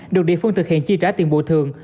được địa phương thực hiện chi trả tiền bồi thường